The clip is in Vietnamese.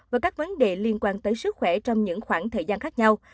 và các vấn đề liên quan tới sức khỏe trong những khoảng thời gian khác nhau